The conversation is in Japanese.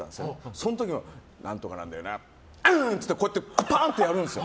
その時も、何とかなんだよなってうーんって言ってこうやって、パンってやるんです。